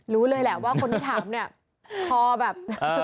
รู้เลยแหละว่าคนที่ถามเนี่ยพอแบบ